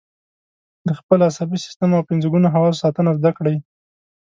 د خپل عصبي سیستم او پنځه ګونو حواسو ساتنه زده کړئ.